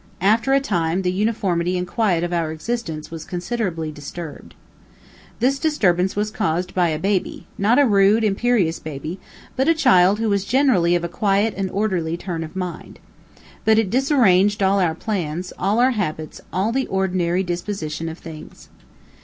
After a time, the uniformity and quiet of our existence was considerably disturbed. This disturbance was caused by a baby, not a rude, imperious baby, but a child who was generally of a quiet and orderly turn of mind. But it disarranged all our plans; all our habits; all the ordinary disposition of things.